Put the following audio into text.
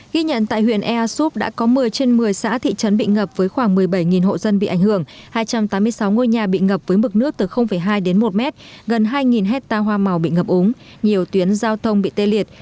ghi nhận tại huyện ea súp đã có một mươi trên một mươi xã thị trấn bị ngập với khoảng một mươi bảy hộ dân bị ảnh hưởng hai trăm tám mươi sáu ngôi nhà bị ngập với mực nước từ hai đến một mét gần hai hectare hoa màu bị ngập úng nhiều tuyến giao thông bị tê liệt